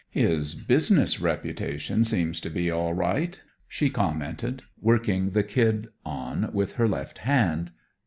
"His business reputation seems to be all right," she commented, working the kid on with her left hand.